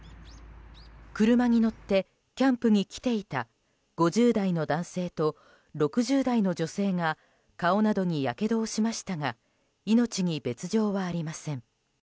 車に乗ってキャンプに来ていた５０代の男性と６０代の女性が顔などにやけどをしましたが命に別条はありません。